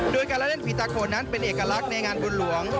โดยการละเล่นฟีตาโขนนั้นเป็นเอกลักษณ์ในงานบุญหลวง